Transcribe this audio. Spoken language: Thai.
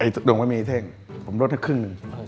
ดงไม่มีเท่งผมลดให้ครึ่งหนึ่ง